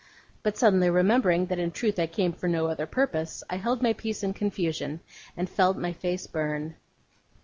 But suddenly remembering that in truth I came for no other purpose, I held my peace in confusion, and felt my face burn.